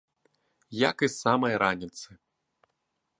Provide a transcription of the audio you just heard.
Як і з самай раніцы.